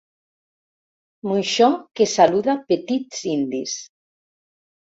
Moixó que saluda petits indis.